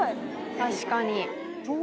確かに。